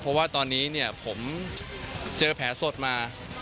เพราะว่าตอนนี้เนี่ยผมเจอแผลสดมา